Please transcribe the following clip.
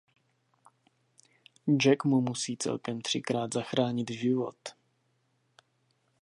Jack mu musí celkem třikrát zachránit život.